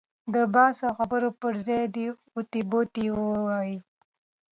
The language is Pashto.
د بحث او خبرو پر ځای دې اوتې بوتې ووایي.